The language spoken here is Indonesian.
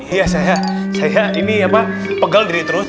iya saya ini apa pegal diri terus